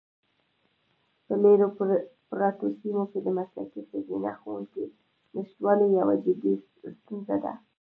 په لیرې پرتو سیمو کې د مسلکي ښځینه ښوونکو نشتوالی یوه جدي ستونزه ده.